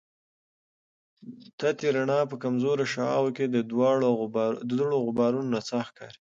د تتي رڼا په کمزورې شعاع کې د دوړو او غبارونو نڅا ښکاري.